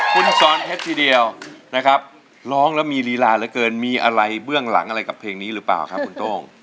คุณสอนเพชรทีเดียวนะครับร้องแล้วมีลีลาเหลือเกินมีอะไรเบื้องหลังอะไรกับเพลงนี้หรือเปล่าครับคุณโต้ง